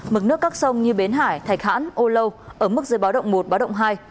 mực nước các sông như bến hải thạch hãn âu lâu ở mức dưới báo động một báo động hai